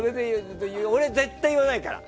俺は絶対言わないから。